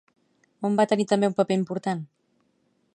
On va tenir també un paper important?